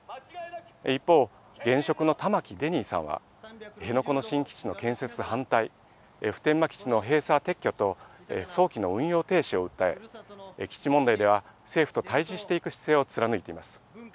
一方、現職の玉城デニーさんは、辺野古の新基地の建設反対、普天間基地の閉鎖・撤去と、早期の運用停止を訴え、基地問題では政府と対じしていく姿勢を貫いています。